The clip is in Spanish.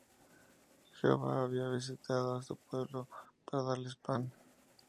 Jehová había visitado á su pueblo para darles pan.